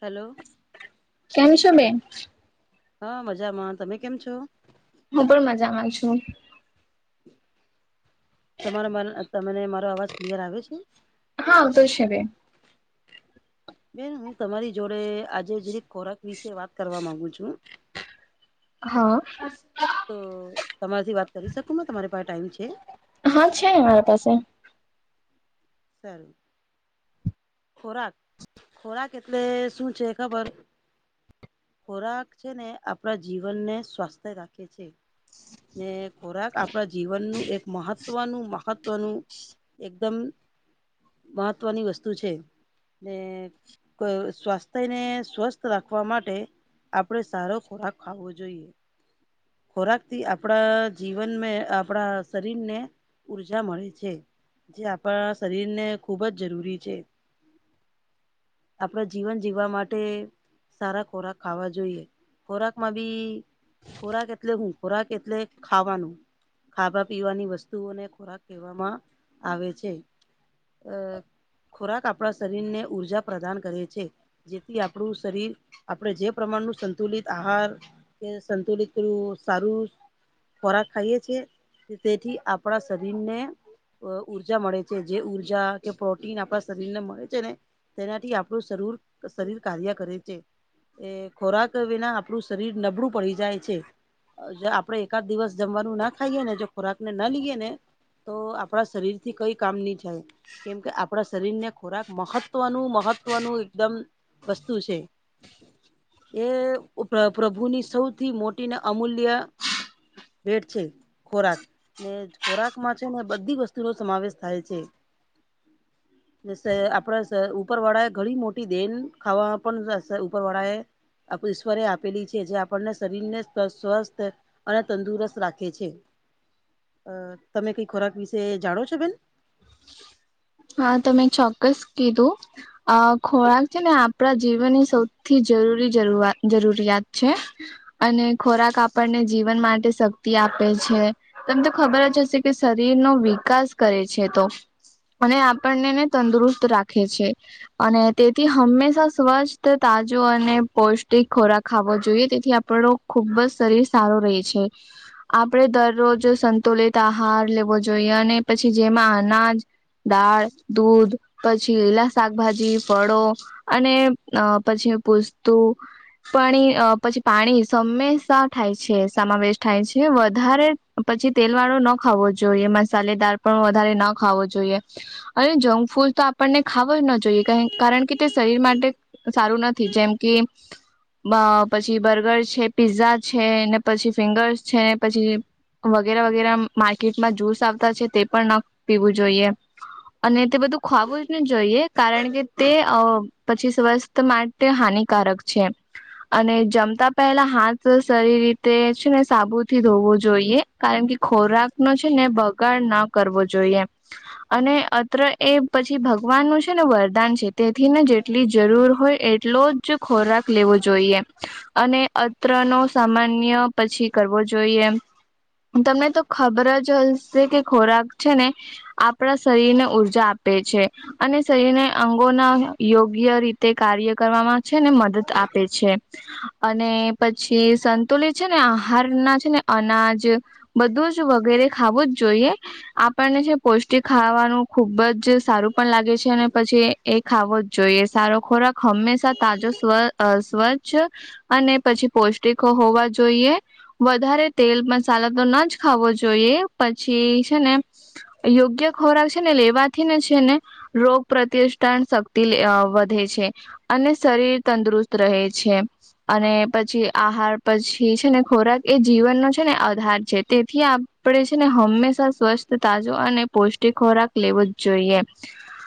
Hello કેમ છમે હા મજામાં તમે કેમ છો હું પણ મજામાં છું તમારો તમને મારો અવાજ ક્લિયર આવે છે હા તો શવે બેન હું તમારી જોડે આજે જે ખોરાક વિશે વાત કરવા માગુ છુ. હા તો તમારાથી વાત કરી શકું મે તમારી પાસે ટાઈમ છે હા છે ને મારા પાસે સારું ખોરાક ખોરાક એટલે શું છે ખબર ખોરાક છે ને આપણા જીવનને સ્વસ્થ રાખે છે ને ખોરાક આપણા જીવનનુ એક મહત્વનુ મહત્વનુ એકદમ મહત્વની વસ્તુ છે ને સ્વાસ્થ્યને સ્વસ્થ રાખવા માટે આપડણે સારો ખોરાક ખાવો જોઈએ ખોરાક થી આપણા જીવન આપણા શરીરને ઉર્જા મળે છે જે આપણા શરીરને ખૂબ જ જરૂરી છે આપણા જીવન જીવવા માટે સારા ખોરાક ખાવા જોઈએ ખોરાક માં બી ખોરાક એટલે હું ખોરાક એટલે ખાવાનું ખાવા પીવાની વસ્તુઓને ખોરાક કહેવામાં આવે છે અ ખોરાક આપણા શરીરને ઊર્જા પ્રદાન કરે છે. જેથી આપણું શરીર આપણેે જે પ્રમાણનું સંતુલિત આહાર કે સંતુલિતું સારું ખોરાક ખાઈએ છીએ તેથી આપણા શરીર ને ઉર્જા મળે છે જે ઊર્જા કે પ્રોટીન આપણા શરીર ને મળે છે ને તેનાથી આપણું શરીર શરીર કાર્ય કરે છે એ ખોરાક વિના આપણું શરીર નબળું પડી જાય છે. આપડે એકાદ દિવસ જમવાનું ના ખાઈએ ને જો ખોરાક ને ના લઈએ ને તો આપણા શરીર થી કઈ કામ નહી થાય કેમ કે આપણા શરીરને ખોરાક મહત્વનું મહત્વનું એકદમ વસ્તુ છે. એ પ્રભુની સૌથી મોટી ને અમૂલ્ય ભેટ છે ખોરાક ને ખોરાક માં છે ને બધી વસ્તુઓ સમાવેશ થાય છે. આપણા ઉપર વાળા ઘણી મોટી દેન ખાવા પણ ઉપરવાળા એ ઈશ્વરે આપેલી છે જે આપણને શરીર ને સ્વસ્થ અને તંદુરસ્ત રાખે છે અ તમે કઈ ખોરાક વિશે જાણો છો બેન? હા તમે ચોક્કસ કીધું અ ખોરાક છે ને આપણા જીવનની સૌથી જરૂરી જરૂરિયાત છે. અને ખોરાક આપણને જીવન માટે શક્તિ આપે છે. તમને તો ખબર જ હશે કે શરીર નો વિકાસ કરે છે તો મને આપણનેને તંદુરસ્ત રાખે છે. અને તેથી હંમેશા સ્વસ્થ તાજો અને પૌષ્ટિક ખોરાક ખાવો જોઈએ તેથી આપણો ખુબ જ શરીર સારું રહે છે. આપણેે દરરોજ સંતુલિત આહાર લેવો જોઈએ અને પછી જેમાં અનાજ દાળ દૂધ પછી લીલા શાકભાજી ફળો અને અ પછી પૂછતું પાણી પછી પાણી હમેશા થાય છે સમાવેશ થાય છે વધારે પછી તેલ વાળો નો ખાવો જોઈએ મસાલેદાર પણ વધારે ન ખાવો જોઈએ. અને જંક ફૂડ તો આપણને ખાવો જ ન જોઈએ કારણ કે તે શરીર માટે સારું નથી જેમ કે બ પછી બર્ગર છે પીઝા છે ને પછી ફિંગર્સ છે પછી વગેરે વગેરે માર્કેટમાં જુસ આવતા છે તે પણ ન પીવું જોઈએ. અને તે બધું ખવાવું જ ને જોઈએ કારણ કે તે પછી સ્વસ્થ માટે તે હાનિકારક છે અને જમતા પહેલા હાથ સરી રીતે છે ને સાબુથી ધોવો જોઈએ કારણ કે ખોરાક નો છે ને બગાડ ના કરવો જોઈએ. અને અત્ર એ પછી ભગવાન નું જ છે ને વરદાન છે તેથી ને જેટલી જરૂર હોય એટલો જ ખોરાક લેવો જોઈએ. અને અત્ર નો સામાન્ય પછી કરવો જોઈએ. તમને તો ખબર જ હશે કે ખોરાક છે ને આ આપણા શરીર ને ઊર્જા આપે છે. અને શરીરને અંગોના યોગ્ય રીતે કાર્ય કરવામાં છે ને મદદ આપે છે. અને પછી સંતુલિત છે ને આહાર ના છે ને અનાજ બધું જ વગેરે ખાવું જ જોઈએ આપણને જે પો તે ખાવાનું ખુબ જ સારું પણ લાગે છે અને પછી એ ખાવો જ જોઈએ સારો ખોરાક હંમેશા તાજો સ્વ અ સ્વચ્છ અને પછી પૌષ્ટિકો હોવા જોઈએ. વધારે તેલ મસાલા તો ન જ ખાવો જોઈએ પછી છે ને યોગ્ય યોગ્ય ખોરાક છે ને લેવાથી ને છે ને રોગ પ્રતિષ્ઠાન શક્તિ વધે છે. અને શરીર તંદુરુસ્ત રહે છે. અને પછી આહાર પછી છે ને ખોરાક એ જીવનનો છે ને અધાર છે તેથી આપ આપડે છે ને હંમેશા સ્વસ્થ તાજુ અને પૌષ્ટિક ખોરાક લેવો જ જોઈએ.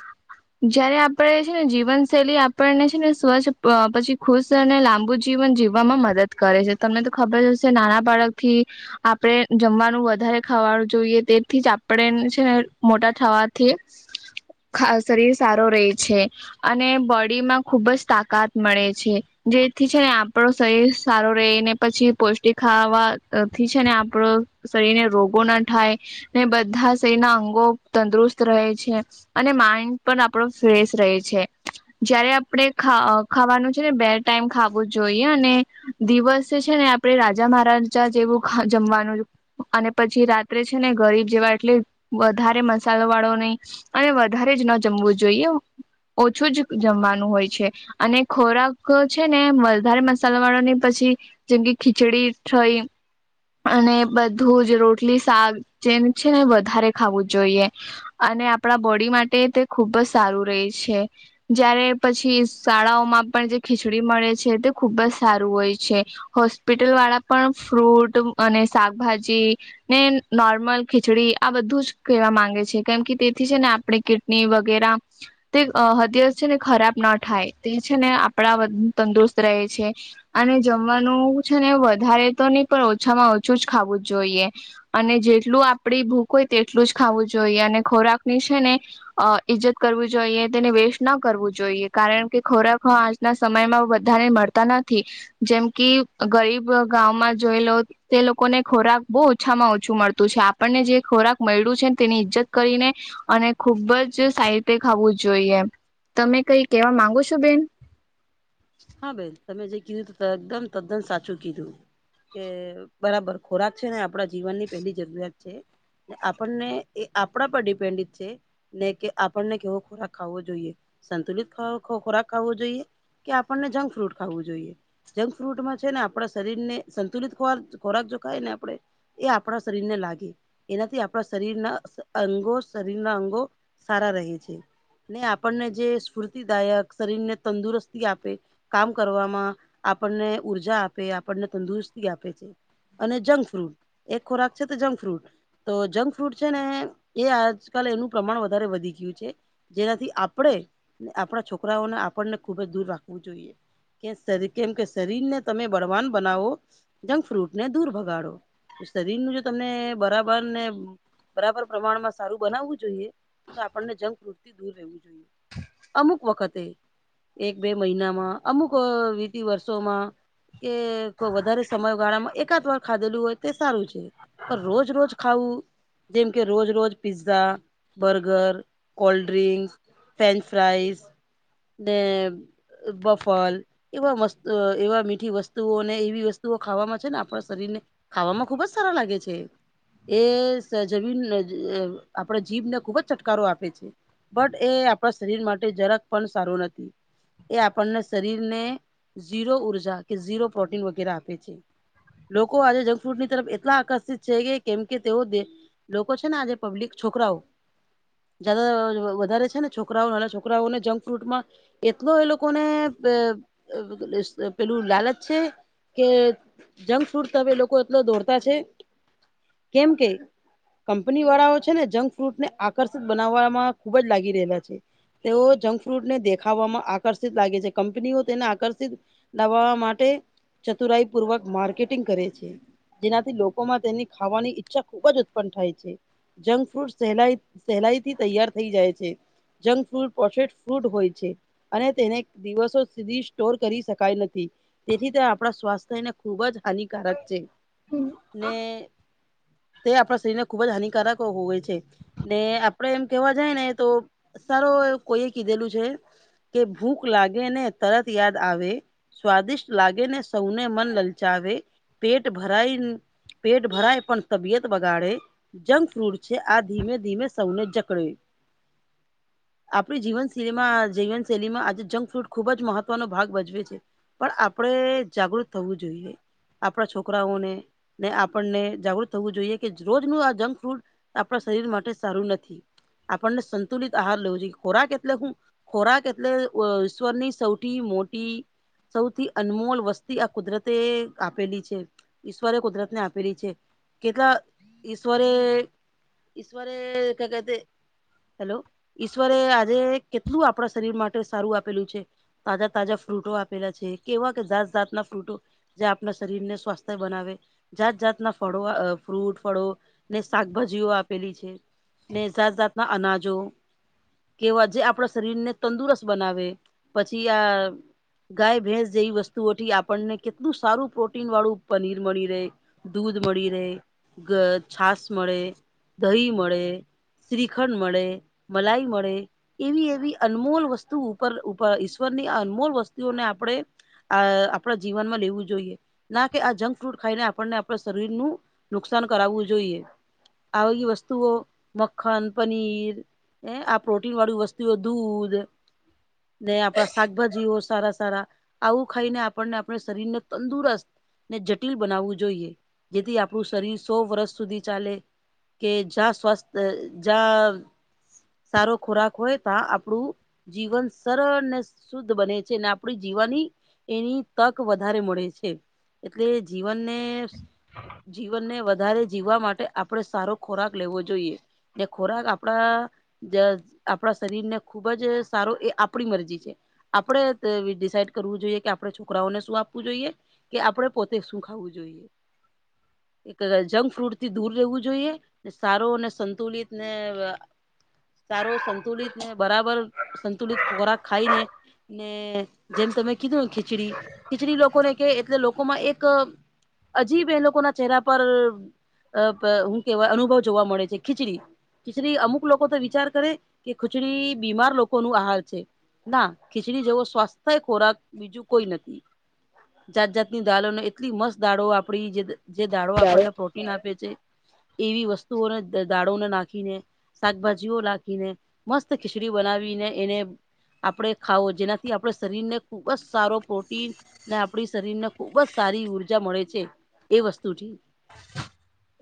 [inaudible] જયારે આપડે છે ને જીવનશૈલી આપણને છે ને સ્વચ્છ પછી ખુશ અને લાંબુ જ જીવન જીવવામાં મદદ કરે છે તમને તો ખબર હશે નાના બાળક થી આપણે જમવાનું વધારે ખાવાડું જોઈએ તેથી જ આપણે તે મોટા થવાથી શરીર સારો રહેે છે. અને બોડીમાં ખુબ જ તાકાત મળે છે જેથી છે ને આપણો શરીર સારો રહીને પછી પૌષ્ટિક ખાવા થી છે ને આપણો શરીરને રોગો ના થાય. ને બધા જ શરીરના અંગો તંદુરસ્ત રહે છે અને માઈન્ડ પણ આપણો ફ્રેશ રહે છે. જયારે આપણેે ખા ખાવાનું છે ને બે ટાઈમ ખાવું જ જોઈએ અને દિવસ છે ને આપડે રાજા મહારાજા જેવું જમવાનું અને પછી રાત્રે છે ને ગરીબ જેવા એટલે વધારે મસાલો વાળો નહી. અને વધારે જ ન જમવું જોઈએ. ઓછું જ જમવાનું હોય છે. અને ખોરાક છે ને, વલધારે મસાલા વાળો ને પછી જેમ કે ખીચડી ચાય. અને બધું જ રોટલી, શાક જેમ છે ને વધારે ખાવું જોઈએ. અને આપણા બોડી માટે તે ખુબ જ સારું રહે છે. જયારે પછી શાળાઓમાં પણ જે ખીચડી મળે છે તે, ખુબ જ સારું હોય છે. હોસ્પિટલ વાળા પણ ફ્રૂટ અને શાકભાજી. ને નોર્મલ ખીચડી આ બધું જ કહેવા માંગે છે. કેમ કે તેથી છે ને આપણે કિડની વગેરા તે હદયત છે ને ખરાબ ના થાય. તે છે ને આપણા તંદુરસ્ત રહે છે. અને જમવાનું છે ને, વધારે તો નહી પણ ઓછામાં ઓછું જ ખાવું જ જોઈએ. અને જેટલું આપડી ભૂખ હોય તેટલું જ ખાવું જોઈએ. અને ખોરાક ની છે ને અ ઈજ્જત કરવીું જોઈએ. તેને વેસ્ટ ના કરવું જોઈએ. કારણ કે ખોરાક ના સમયમાં બધાને મળતા નથી. જેમ કે ગરીબ ગામમાં જોય લો તે લોકોને ખોરાક બહુ ઓછામાં ઓછું મળતું છે. આપણને જે ખોરાક મળ્યું છેને તેની ઈજ્જત કરીને, અને ખુબ જ સારી રીતે ખાવું જોઈએ. તમે કઈ કેવા માંગો છો બેન? હા! બેન તમે જે કીધું એકદમ તદ્દન સાચું કીધું. કે બરાબર ખોરાક છે ને, આપડા જીવનની પેલી જરૂરિયાત છે. આપણને એ આપણા પર ડિપેડ છે. ને કે આપણને કેવો ખોરાક ખાવો જોઈએ. સંતુલિત ખોરાક ખોવો જોઈએ. કે આપણને જંક ફ્રૂટ ખાવું જોઈએ. જંક ફૂડમાં છે ને આપણા શરીર ને સંતુલિત ખોરાક જો ખાય ને આપડણે એ આપણા શરીરને લાગે. એનાથી આપણા શરીરના અંગો શરીરના અંગો સારા રહે છે. ને આપણને જે સ્ફૂર્તિદાયક શરીરને તંદુરસ્તી આપે. કામ કરવામાં આપણને ઉર્જા આપે. આપણને તંદુરસ્તી આપે છે. અને જંક ફ્રૂડ. એક ખોરાક છે તો જંક ફ્રૂડ. તો જંક ફ્રૂડ છે ને? એ આજકાલ એનું પ્રમાણ વધારે વધી ગયું છે. જેનાથી આપણેે, આપણા છોકરાઓને આપણને ખુબ જ દૂર રાખ. હોું જોઈએ. કે કેમ કે શરીર ને તમે બળવાન બનાવો. જંક ફ્રૂટ ને દૂર ભગાડો. શરીર નું જો તમને બરાબર ને બરાબર પ્રમાણમાં સારું બનાવવું જોઈએ. તો તો આપણને જક પ્રૃતિ દૂર રહેવું જોઈએ. અમુક વખતે એક. બે મહિનામાં, અમુક વિતિ વર્ષોમાં. કે વધારે સમયગાળા માં, એકાદ વાર ખાધેલું હોય તે સારું છે. પણ રોજ રોજ ખાવું. જેમ કે રોજ રોજ pizza, burger, cold drink. French fries ને વફલ. એવા મસ્ત એવા મીઠી વસ્તુઓને, એવી વસ્તુઓ ખાવામાં છે ને આપણા શરીર ને. ખાવામાં ખુબજ સારા લાગે છે. એ જમીને આપડા જીભને ખુબ જ ચટકારો આપે છે. બટ એ આપણા શરીર માટે, જરાક પણ સારું નથી. એ આપણને શરીરને ઝીરો ઉર્જા કે ઝીરો પ્રોટીન વગેરે આપે છે. લોકો આજે જંક ફ્રૂટની તરફ એટલા આકર્ષિત છે કે, કેમ કે તેઓ. લોકો છે ને આજે, પબ્લિક છોકરાઓ. [unintelligible] વધારે છે ને, છોકરાઓ નાના છોકરાઓને જંક ફ્રૂટમાં એ. તો એ લોકોને પેલું લાલચ છે કે. જંક ફૂડ હવે લોકો એટલો દોરતા છે. કેમ કે, કંપની વાળાઓ છે ને, જંક ફ્રૂટ ને આકર્ષિત બનાવવામાં ખુબ જ લાગી રહેલા છે. તેઓ જંક ફ્રૂટ ને દેખાવામાં- - આકર્ષિત લાગે છે કંપનીઓ તેને આકર્ષિત દબાવવા માટે- - ચતુરાઈપૂર્વક માર્કેટિંગ કરે છે. જેનાથી લોકોમાં તેની ખાવાની ઈચ્છા ખુબ જ ઉત્પન્ન થાય છે. જંક ફ્રૂટ સહે સહેલાઈ થી તૈયાર થઈ જાય છે. જંક [inaudible] ફ્રૂટ હોય છે. અને તેને દિવસો સુધી સ્ટોર કરી શકાય નથી તેથી તે આપણા સ્વાસ્થ્યને ખૂબ જ- - હાનિકારક છે ને તે આપણા શરીર ને ખુબ જ હાનિકારક હોય છે. ને આપડે એમ કેવા જાય ને તો સારો કોઈ કીધેલું છે. કે ભૂખ લાગે ને તરત યાદ આવે- - સ્વાદિષ્ટ લાગે ને સૌને મન લલચાવે પેટ ભરાય- - પેટ ભરાય પણ તબિયત બગાડે- - જંક ફ્રૂટ છે આ ધીમે ધીમે સૌને જકડે- - આપણી જીવનશિલેમાં જીવન- - શૈલીમાં આજે જંક ફૂડ ખુબ જ મહત્વનો ભાગ ભજવે છે. પણ આપણેે જાગૃત થવું જોઈએ આપણા છોકરાઓને- - ને આપણને જાગૃત થવું જોઈએ કે રોજ ન આ જંક ફૂડ આપણા શરીર માટે સારું નથી. આપણને સંતુલિત આહાર લેવું જોઈએ ખોરાક કેટલે શું ખોરા કે- - એટલે ઈશ્વરની સૌથી મોટી- - સૌથી અનમોલ વસ્તી આ કુદરતે આપેલી છે. ઈશ્વરે કુદરત ને આપેલી છે કેટલા ઈશ્વરે- - ઈશ્વરે ક્યા કતે- - હેલો ઈશ્વરે આજે કેટલું આપણા શરીર માટે સારું આપેલું છે. તાજા તાજા ફ્રૂટો આપેલા છે કેવા કે જાત જાતના ફ્રૂટો- - જે આપણા શરીરને સ્વસ્થ બનાવે. જાત જાતના ફળો ફ્રૂટ ફળો ને શાકભાજીઓ આપેલી છે. ને જાત જાતના અનાજો કેવા જે આપણા શરીરને તંદુરસ્ત- - બનાવે પછી આ- - ગાય ભેંસ જેવી વસ્તુઓથી આપણને કેટલું સારું પ્રોટીન વાળું પનીર મળી રહે. દૂધ મળી રહે, છાસ મળે, દહી મળે- - શ્રીખંડ મળે, મલાઈ મળે એવી એવી અનમોલ વસ્તુ- - [unintelligible] ઈશ્વરની અનમોલ વસ્તુઓને આપણે- - આ આપણા જીવનમાં લેવું જોઈએ. ના કે આ જંક ફ્રૂટ ખાઈને આપણને આપણા શરીરનું નુકસાન કરાવવું જોઈએ. આવી વસ્તુઓ મખન, પનીર ને આ પ્રોટીન વાળી વસ્તુઓ દૂધ. ને આપણા શાકભાજીઓ સારા સારા આવું ખાઈને આપણને આપણે શરીરને તંદુરસ્ત ને જટિલ બનાવવું જોઈએ. જેથી આપણું શરીર સો વર્ષ સુધી ચાલે. કે જ્યાં સ્વાવસ્થ જ્યાં સારો ખોરાક હોય તા આપણું જીવન સરળ ને શુદ્ધ બને છે. ને આપણી જીવનની એની તક વધારે મળે છે. એટલે જીવનને જીવનને વધારે જીવવા માટ ટે આપણે સારો ખોરાક લેવો જોઈએ. જે ખોરાક આપણા જે આપણા શરીરને ખુબ જ સારો એ આપણી મરજી છે. આપણેે તે ડિસાઈડ કરવું જોઈએ કે આપણે છોકરાઓને શું આપવું જોઈએ. કે આપણેે પોતે શું ખાવું જોઈએ. એક જંક ફ્રૂડ થી દૂર રહેવું જોઈએ. ને સારો અને સંતુલિત ને સારો સંતુલિત ને બરાબર સંતુલિત ખોરાક ખાઈને ને જેમ તમે કીધું ખીચડી ખીચડી લોકોને કે એટલે લોકોમાં એક અજીબ એ લોકોના ચહેરા પર અ પ હું કેહેવાય અનુભવ જોવા મળે છે. ખીચડી? ખીચડી અમુક ક લોકો તો વિચાર કરે કે ખીચડી બીમાર લોકોનું આહાર છે. ના ખીચડી જેવો સ્વાસ્થ્ય ખોરાક બીજું કોઈ નથી. જાત જાતની દાળોને એટલી મસ્ત દાળો આપડી જે જે દાડો આપણને પ્રોટીન આપે છે. એવી વસ્તુઓને દાળોને નાખીને શાકભાજીઓ લાખીને મસ્ત ખીચડી બનાવીને એને આપણે ખાવો. જેનાથી આપણે શરીરને ખુબ જ સારો પ્રોટીન ને આપડી શરીરને ખુબ જ સારી ઉર્જા મળે છે એ વસ્તુથી.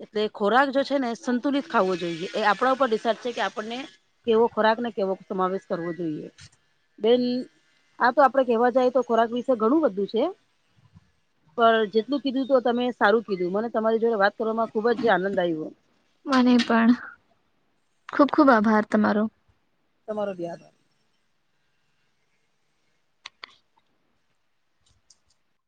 એટલે ખોરાક જો છે ને એ સંતુલિત ખાવો જોઈએ એ આપણા ઉપર પેક છે કે આપણને કેવો ખોરાક ને કેવો સમાવેશ કરવો જોઈએ. બેન આ તો આપડે કેવા જાઈ તો ખોરાક વિશે ઘણું બધું છે. પણ જેટલું કીધું તો તમે સારું કીધું. મને તમારી જોડે વાત કરવામાં ખુબ જ આનંદ આવ્યો. મને પણ ખુબ ખુબ આભાર તમારો. તમારો બી આભાર.